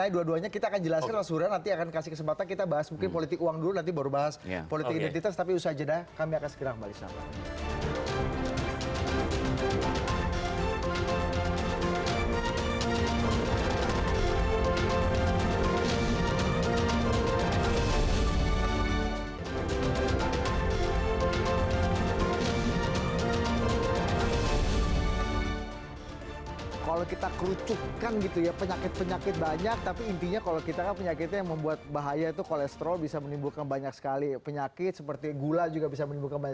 dua duanya naik eskalasinya